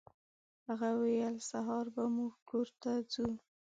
هغه ویل سهار به زموږ کور ته ځو.